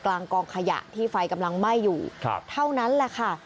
กองขยะที่ไฟกำลังไหม้อยู่เท่านั้นแหละค่ะ